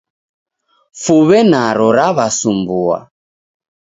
Fuw'e naro raw'asumbua